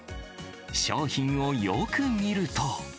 商品をよく見ると。